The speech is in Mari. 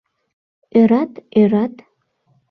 Ӧрат, ӧрат.